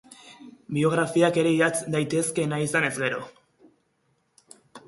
Biografiak ere idatz daitezke nahi izanez gero.